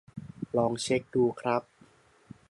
ลองเช็กดูครับ